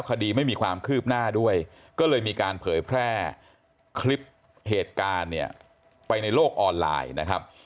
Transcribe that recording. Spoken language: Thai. คดีไม่มีความคืบหน้าด้วยก็เลยมีการเผยแพร่คลิปเหตุการณ์เนี่ยไปในโลกออนไลน์นะครับ